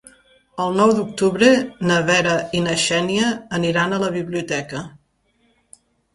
El nou d'octubre na Vera i na Xènia aniran a la biblioteca.